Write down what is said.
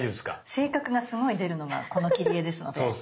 性格がすごい出るのがこの切り絵ですので。